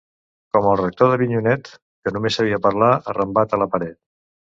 Com el rector d'Avinyonet, que només sabia parlar arrambat a la paret.